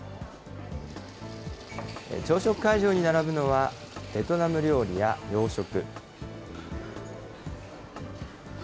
朝食会場に並ぶのは、ベトナム料理や洋食。